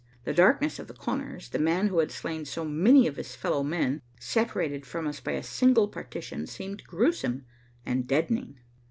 The darkness of the corners, the man who had slain so many of his fellow men separated from us by a single partition seemed gruesome and deadening.